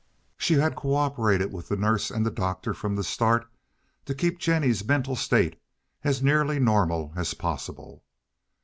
She had co operated with the nurse and doctor from the start to keep Jennie's mental state as nearly normal as possible.